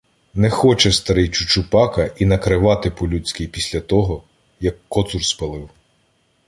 Не хоче старий Чучупака і накривати по-людськи після того, як Коцур спалив.